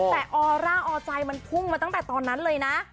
แต่ออร่าออใจมันพุ่งมาตั้งแต่ตอนนั้นเลยนะ